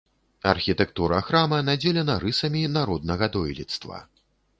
Архітэктура храма надзелена рысамі народнага дойлідства.